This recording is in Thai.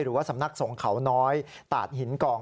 หรือว่าสำนักสงฆ์เขาน้อยตาดหินกอง